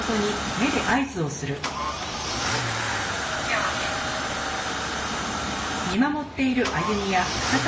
「では検査を始めます」